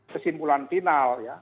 kesimpulan final ya